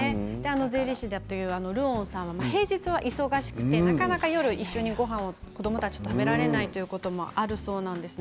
税理士だというルオンさんは忙しくてなかなか夜、一緒にごはんを子どもたちと食べられないということもあるそうです。